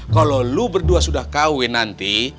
kalo lu berdua sudah kawin nanti